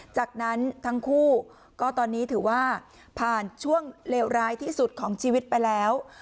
จากนั้นทั้งคู่ก็ตอนนี้ถือว่าผ่านช่วงเลวร้ายที่สุดของชีวิตไปแล้ว